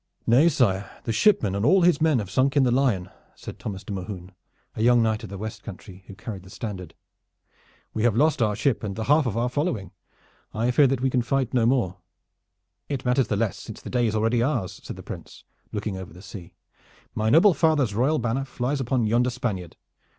"Nay, sire, the shipman and all his men have sunk in the Lion," said Thomas de Mohun, a young knight of the West Country, who carried the standard. "We have lost our ship and the half of our following. I fear that we can fight no more." "It matters the less since the day is already ours," said the Prince, looking over the sea. "My noble father's royal banner flies upon yonder Spaniard.